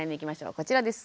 こちらです。